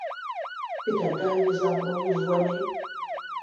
Petra a dalvez ar broioù « Voynet »?